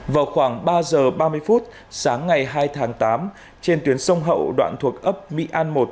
vào khoảng ba giờ ba mươi phút sáng ngày hai tháng tám trên tuyến sông hậu đoạn thuộc ấp mỹ an một